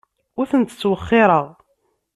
Ur tent-ttwexxireɣ.